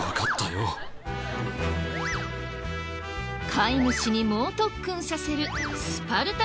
飼い主に猛特訓させるスパルタ